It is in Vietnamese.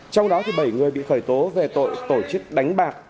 trong đó bảy người bị khởi tố về tội tổ chức đánh bạc